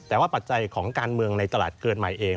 แต่ว่าปัจจัยของการเมืองในตลาดเกิดใหม่เอง